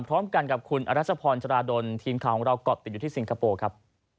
พร้อมกันกับคุณอรัชพรจราดลทีมข่าวของเราเกาะติดอยู่ที่สิงคโปร์ครับ